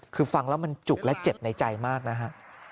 คือฟังแล้วมันจุกและเจ็บในใจมากนะฮะ